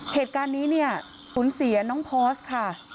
เหตุการณ์นี้เนี่ยสูญเสียน้องพอร์สค่ะ